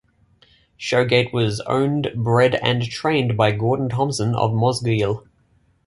Show Gate was Owned Bred And Trained by Gordon Thomson of Mosgiel.